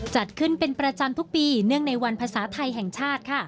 จัดขึ้นเป็นประจำทุกปีเนื่องในวันภาษาไทยแห่งชาติค่ะ